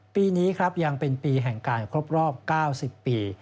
ปีนี้ครับยังเป็นปีแห่งการครบรอบ๙๐ปี